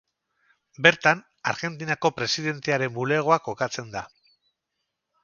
Bertan Argentinako Presidentearen bulegoa kokatzen da.